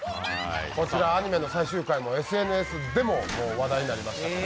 こちらアニメの最終回もＳＮＳでも話題になりました。